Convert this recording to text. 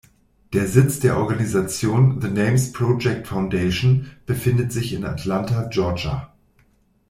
Der Sitz der Organisation "The Names Project Foundation" befindet sich in Atlanta, Georgia.